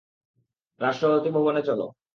রাষ্ট্রপতি ভবনে, চলো।